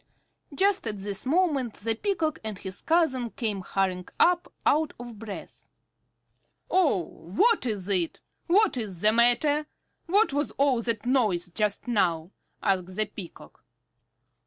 Just at this moment the Peacock and his cousin came hurrying up out of breath. "Oh, what is it? What is the matter? What was all that noise just now?" asked the Peacock.